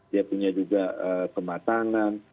dia punya juga kematangan